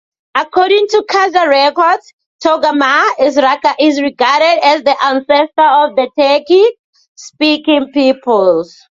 According to Khazar records, Togarmah is regarded as the ancestor of the Turkic-speaking peoples.